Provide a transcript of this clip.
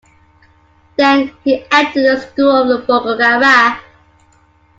Then, he entered the School of Bergara.